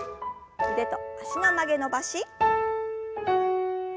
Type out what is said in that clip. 腕と脚の曲げ伸ばし。